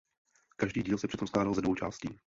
Každý díl se přitom skládal ze dvou částí.